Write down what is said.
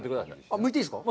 むいていいですか。